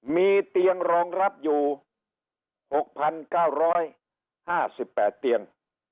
มีเตียงรองรับ๖๙๕๑เตียง